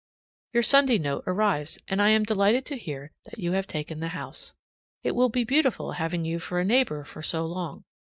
Your Sunday note arrives, and I am delighted to hear that you have taken the house. It will be beautiful having you for a neighbor for so long.